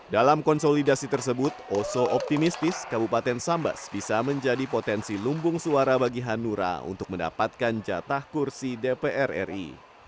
dalam konsolidasi tersebut oso optimistis kabupaten sambas bisa menjadi potensi lumbung suara bagi hanura untuk mendapatkan jatah kursi dpr ri